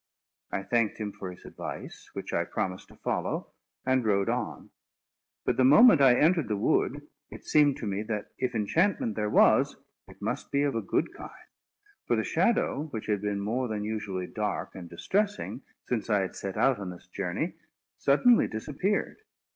I thanked him for his advice, which I promised to follow, and rode on. But the moment I entered the wood, it seemed to me that, if enchantment there was, it must be of a good kind; for the Shadow, which had been more than usually dark and distressing, since I had set out on this journey, suddenly disappeared.